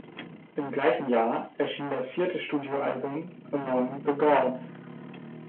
Im gleichen Jahr erschien das vierte Studioalbum "Among The Gods".